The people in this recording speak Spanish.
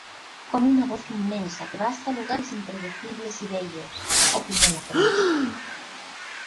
Con una voz inmensa que va hasta lugares impredecibles y bellos... opinó la Prensa.